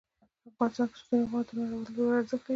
افغانستان کې ستوني غرونه د نن او راتلونکي لپاره ارزښت لري.